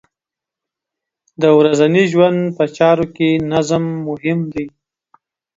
د ورځنۍ ژوند په چارو کې نظم مهم دی.